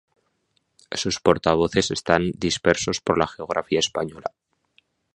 Sus portavoces están dispersos por la geografía española.